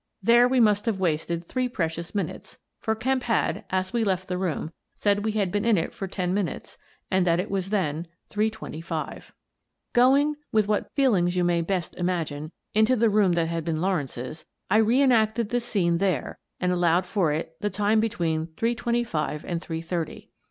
There we must have wasted 222 Miss Frances Baird, Detective three precious minutes, for Kemp had, as we left the room, said we had been in it for ten minutes and that it was then three twenty five. Going — with what feelings you may best imag ine — into the room that had been Lawrence's, I re enacted the scene there and allowed for it the time between three twenty five and three thirty.